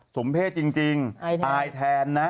สมเพศจริงตายแทนนะ